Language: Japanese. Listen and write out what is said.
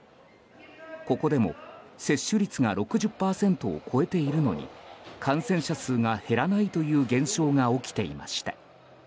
ここでも接種率が６０％を超えているのに感染者数が減らないという現象が起きていました。